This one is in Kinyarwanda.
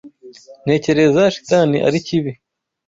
Ntekereza shitani ari kibi.